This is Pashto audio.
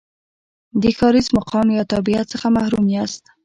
د ښاریز مقام یا تابعیت څخه محروم یاست.